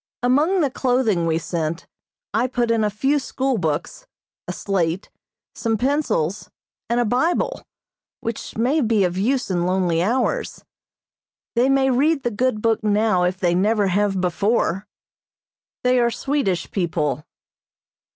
Among the clothing we sent I put in a few school books, a slate, some pencils, and a Bible, which may be of use in lonely hours. They may read the good book now if they never have before. They are Swedish people.